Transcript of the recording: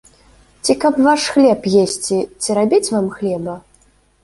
Ці каб ваш хлеб есці, ці рабіць вам хлеба?